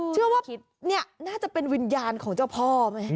เชื่อว่านี่น่าจะเป็นวิญญาณของเจ้าพ่อไหม